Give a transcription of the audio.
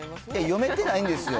読めてないんですよ。